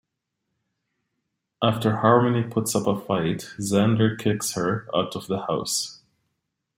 After Harmony puts up a fight, Xander kicks her out of the house.